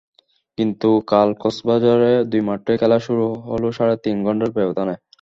কিন্তু কাল কক্সবাজারে দুই মাঠে খেলা শুরু হলো সাড়ে তিন ঘণ্টার ব্যবধানে।